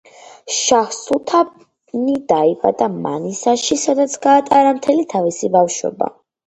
შაჰ სულთანი დაიბადა მანისაში, სადაც გაატარა მთელი თავისი ბავშვობა.